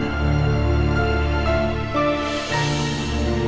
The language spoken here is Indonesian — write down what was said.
ini ada dab ternyata